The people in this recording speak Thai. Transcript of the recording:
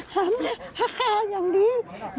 ทำได้พร้าวอย่างดี